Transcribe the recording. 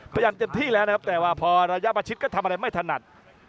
เต็มที่แล้วนะครับแต่ว่าพอระยะประชิดก็ทำอะไรไม่ถนัด